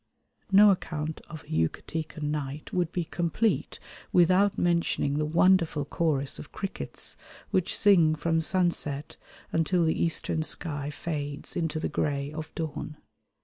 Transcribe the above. No account of a Yucatecan night would be complete without mentioning the wonderful chorus of crickets which sing from sunset until the eastern sky fades into the grey of dawn.